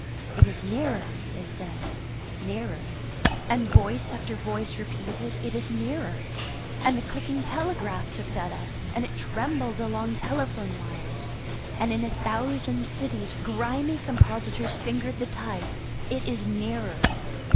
"It is nearer!" they said. "Nearer!" And voice after voice repeated, "It is nearer," and the clicking telegraph took that up, and it trembled along telephone wires, and in a thousand cities grimy compositors fingered the type. "It is nearer."